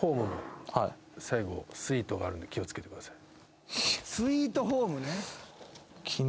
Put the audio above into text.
最後「ｓｗｅｅｔ」があるんで気を付けてください。